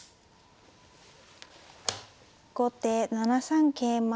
後手７三桂馬。